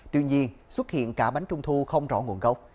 tuy nhiên xuất hiện cả bánh trung thu không rõ nguồn gốc